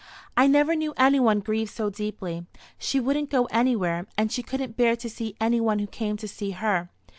"I never knew any one grieve so deeply. She wouldn't go anywhere, and she couldn't bear to see any one who came to see her.